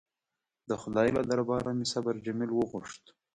د خدای له درباره مې صبر جمیل وغوښت.